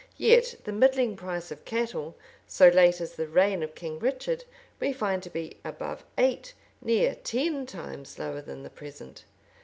Yet the middling price of cattle, so late as the reign of King Richard, we find to be above eight, near ten times lower than the present.